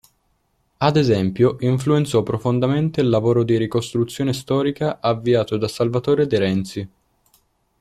Ad esempio, influenzò profondamente il lavoro di ricostruzione storica avviato da Salvatore De Renzi.